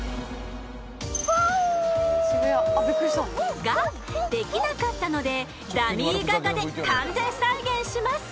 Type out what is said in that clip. フォ！ができなかったのでダミー・ガガで完全再現します！